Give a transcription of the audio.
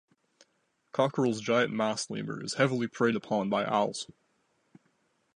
Coquerel's giant mouse lemur is heavily preyed upon by owls.